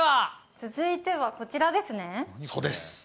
続いてはこちらですね。